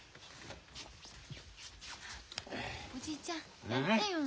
おじいちゃんやってよ。